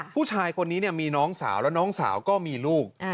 ผู้ชายคนนี้มีน้องสาวแล้วน้องสาวก็มีลูก